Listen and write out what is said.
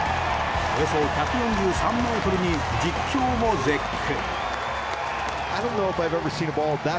およそ１４３ｍに実況も絶叫。